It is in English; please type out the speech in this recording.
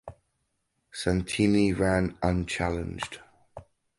Santini ran unchallenged.